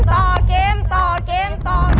ต่อเกมต่อเกมต่อ